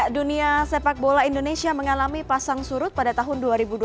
dunia sepak bola indonesia mengalami pasang surut pada tahun dua ribu dua puluh